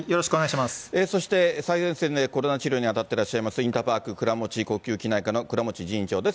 そして、最前線でコロナ治療に当たっていらっしゃいます、インターパーク倉持呼吸器内科の倉持仁院長です。